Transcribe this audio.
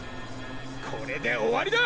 これで終わりだ！